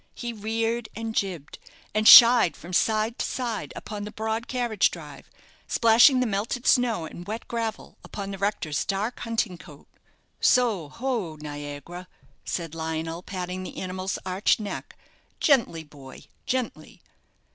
He reared, and jibbed, and shied from side to side upon the broad carriage drive, splashing the melted snow and wet gravel upon the rector's dark hunting coat. "So ho, 'Niagara,'" said Lionel, patting the animal's arched neck; "gently, boy, gently."